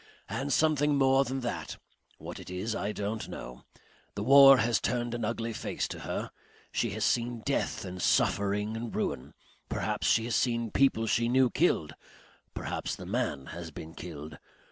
And something more than that. What it is I don't know. The war has turned an ugly face to her. She has seen death and suffering and ruin. Perhaps she has seen people she knew killed. Perhaps the man has been killed.